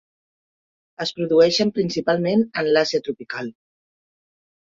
Es produeixen principalment en l'Àsia tropical.